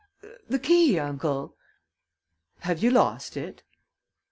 the key, uncle." "Have you lost it?"